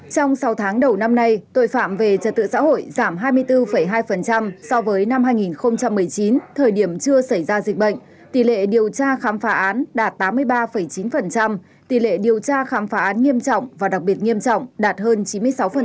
trong sáu tháng đầu năm nay tội phạm về trật tự xã hội giảm hai mươi bốn hai so với năm hai nghìn một mươi chín thời điểm chưa xảy ra dịch bệnh tỷ lệ điều tra khám phá án đạt tám mươi ba chín tỷ lệ điều tra khám phá án nghiêm trọng và đặc biệt nghiêm trọng đạt hơn chín mươi sáu